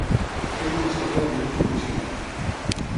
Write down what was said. És una història d'amor incondicional.